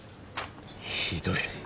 ひどい。